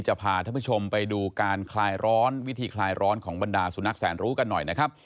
พาท่านผู้ชมไปดูการคลายร้อนวิธีคลายร้อนของบรรดาสุนัขแสนรู้กันหน่อยนะครับ